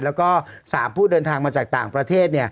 แล้วก็๓ผู้เดินทางมาจากต่างประเทศ